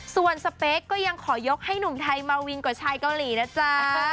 ส่วนสเปคก็ยังขอยกให้หนุ่มไทยมาวินกว่าชายเกาหลีนะจ๊ะ